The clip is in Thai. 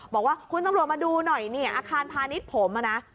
บอกว่าคุณตำรวจมาดูหน่อยเนี่ยอาคารพาณิชย์ผมนะ